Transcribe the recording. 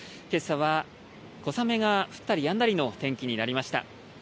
けさは小雨が降ったりやんだりの天気になりました。